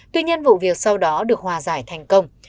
tuy nhiên vụ việc sau đó được hòa giải thành công